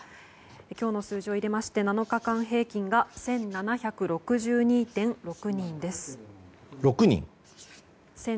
今日の数字を入れまして７日間平均が１７６２．６人です。